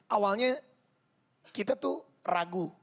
awalnya kita tuh ragu